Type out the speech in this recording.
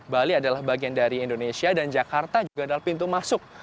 bali adalah bagian dari indonesia dan jakarta juga adalah pintu masuk